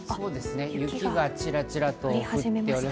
雪がちらちらと降っています。